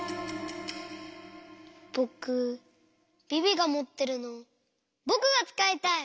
ぼくビビがもってるのぼくがつかいたい！